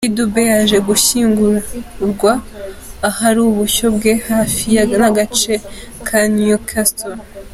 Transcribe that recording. Lucky Dube yaje gushyingurwa ahari ubushyo bwe hafi y’agace ka Newcastle.